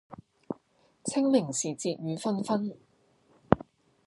清明時節雨紛紛